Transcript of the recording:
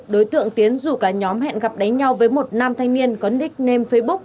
đối tượng tiến rủ cả nhóm hẹn gặp đánh nhau với một nam thanh niên có nickname facebook